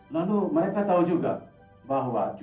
lalu mereka tahu juga bahwa cuma hanya hal itu